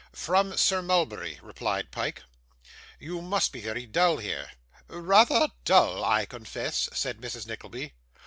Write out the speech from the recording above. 'From Sir Mulberry,' replied Pyke. 'You must be very dull here.' 'Rather dull, I confess,' said Mrs. Nickleby.